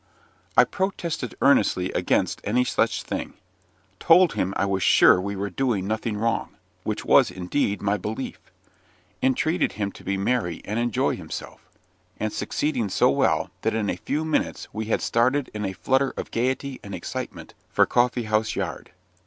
I protested earnestly against any such thing; told him I was sure we were doing nothing wrong which was, indeed, my belief; entreated him to be merry and enjoy himself, and succeeded so well, that in a few minutes we had started in a flutter of gaiety and excitement for Coffee house Yard.